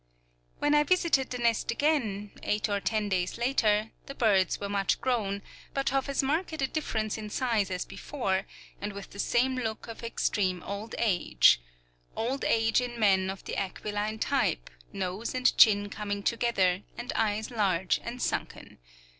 When I visited the nest again, eight or ten days later, the birds were much grown, but of as marked a difference in size as before, and with the same look of extreme old age, old age in men of the aquiline type, nose and chin coming together, and eyes large and sunken.